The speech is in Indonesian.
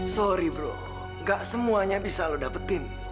sorry bro gak semuanya bisa lo dapetin